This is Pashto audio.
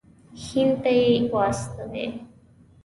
هند ته یې واستوي.